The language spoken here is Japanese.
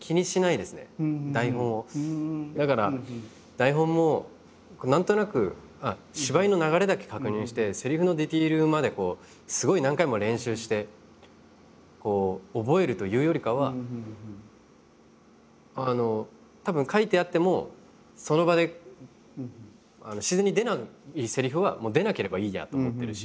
だから台本も何となく芝居の流れだけ確認してセリフのディテールまですごい何回も練習して覚えるというよりかはたぶん書いてあってもその場で自然に出ないセリフはもう出なければいいやと思ってるし。